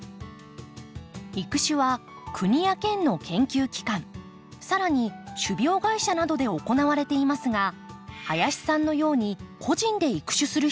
育種は国や県の研究機関さらに種苗会社などで行われていますが林さんのように個人で育種する人もいます。